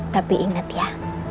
tapi ingat ya